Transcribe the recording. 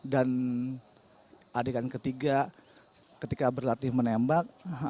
dan adegan ketiga ketika berlatih menembak